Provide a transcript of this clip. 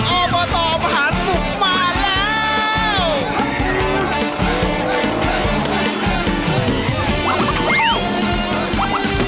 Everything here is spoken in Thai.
ออเบอร์โตมหาสนุกมาแล้ว